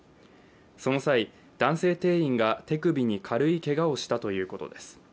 その際、男性店員が手首に軽いけがをしたということです。